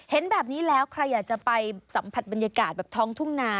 เห็นแบบนี้แล้วใครอยากจะไปสัมผัสบรรยากาศแบบท้องทุ่งนา